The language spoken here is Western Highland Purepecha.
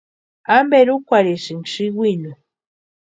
¿Amperi úkwarhisïnki sïwinu?